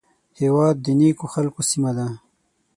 هېواد د نیکو خلکو سیمه ده